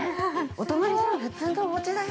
お隣さん、普通のおうちだよ。